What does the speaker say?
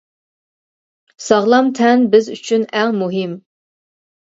ساغلام تەن بىز ئۈچۈن ئەڭ مۇھىم.